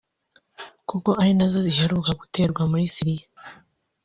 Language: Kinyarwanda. kuko ari nazo ziheruka guterwa muri Syria